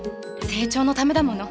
成長のためだもの。